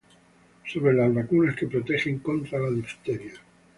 sobre las vacunas que protegen contra la difteria: